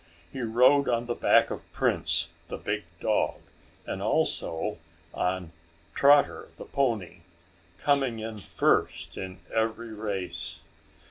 He rode on the back of Prince, the big dog, and also on Trotter, the pony, coming in first in every race.